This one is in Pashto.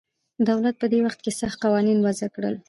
دولت په دې وخت کې سخت قوانین وضع کړل